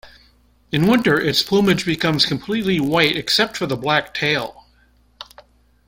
In winter, its plumage becomes completely white except for the black tail.